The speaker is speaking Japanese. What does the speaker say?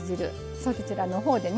そちらのほうでね